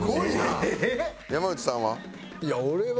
山内さんは？